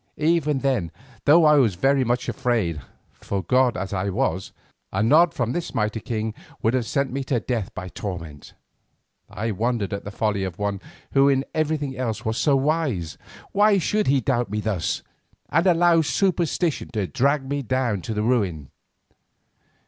Even then, though I was very much afraid, for god as I was, a nod from this mighty king would have sent me to death by torment, I wondered at the folly of one who in everything else was so wise. Why should he doubt me thus and allow superstition to drag him down to ruin?